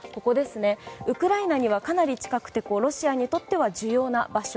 ウクライナには、かなり近くてロシアにとっては重要な場所。